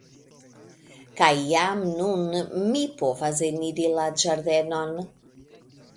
Kaj jam nun mi povas eniri la ĝardenon.